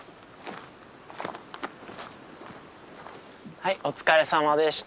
はいお疲れさまでした。